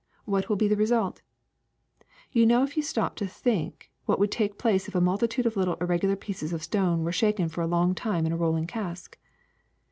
What will be the result? You will know if you stop to think what would take place if a multitude of little irreg ular pieces of stone were shaken for a long time in a rolling cask.